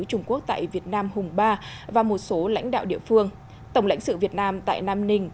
trung quốc tại việt nam hùng ba và một số lãnh đạo địa phương tổng lãnh sự việt nam tại nam ninh